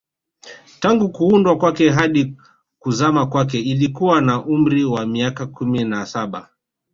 Tangu kuundwa kwake hadi kuzama kwake ilikuwa na umri wa miaka kumi na saba